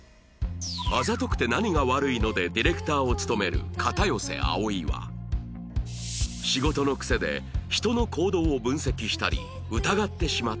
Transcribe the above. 『あざとくて何が悪いの？』でディレクターを務める片寄葵は仕事のクセで人の行動を分析したり疑ってしまっていたが